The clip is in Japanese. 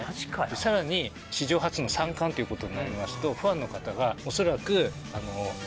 さらに史上初の３冠っていうことになりますとファンの方が恐らく。